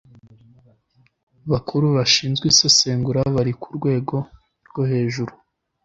bakuru bashinzwe isesengura bari ku rwego rwo hejuru